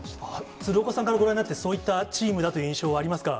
鶴岡さんからご覧になって、そういったチームだという印象はありますか。